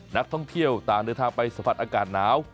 นักท่องเที่ยวต่างเดินทางไปสัมผัสอากาศหนาว